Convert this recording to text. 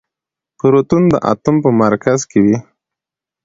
پروتون د اتوم په مرکز کې وي.